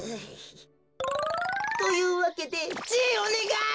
というわけでじいおねがい！